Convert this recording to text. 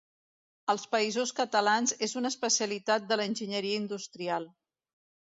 Als Països Catalans és una especialitat de l'enginyeria industrial.